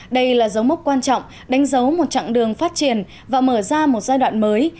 đây là dấu mốc quan trọng đánh dấu một chặng đường phát triển và mở ra một giai đoạn mới